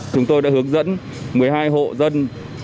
chúng tôi đã hướng dẫn một mươi hai hộ dân